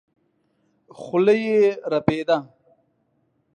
خوله يې رپېده.